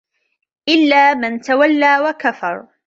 إِلّا مَن تَوَلّى وَكَفَرَ